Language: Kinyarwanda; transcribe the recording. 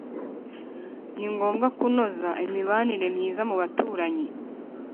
Ni ngombwa kunoza imibanire myiza mu baturanyi